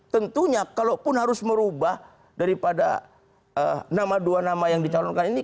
tentunya kalaupun harus merubah daripada nama dua nama yang dicalonkan ini